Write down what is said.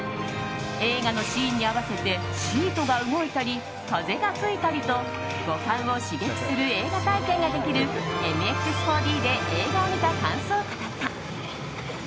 映画のシーンに合わせてシートが動いたり風が吹いたりと五感を刺激する映画体験ができるＭＸ４Ｄで映画を見た感想を語った。